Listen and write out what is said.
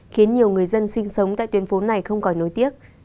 khiến nhiều người dân sinh sống tại tuyến phố này không gọi nỗi tiếc